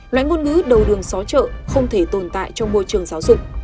loại ngôn ngữ đầu đường xóa trợ không thể tồn tại trong môi trường giáo dục